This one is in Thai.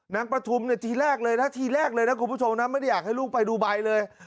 ปฐุมเนี่ยทีแรกเลยนะทีแรกเลยนะคุณผู้ชมนะไม่ได้อยากให้ลูกไปดูใบเลย